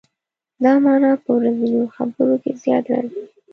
دا معنا په ورځنیو خبرو کې زیات راځي.